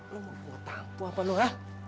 lu mau bawa tampu apa lu ha